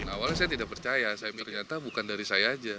awalnya saya tidak percaya saya ternyata bukan dari saya aja